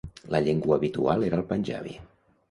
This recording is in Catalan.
La llengua habitual era el panjabi.